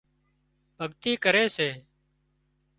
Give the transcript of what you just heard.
ڀڳتي ڪري سي